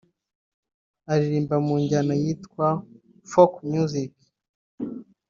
Aririmba mu njyana yitwa ‘folk music’